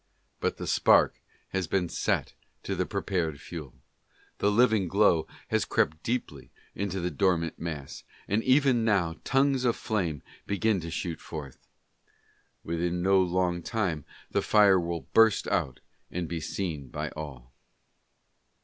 But the spark has been set to the prepared fuel, the living glow has crept deeply into the dormant mass, even now tongues of flame begin to shoot forth. Within no long time the fire will burst out and be seen by all.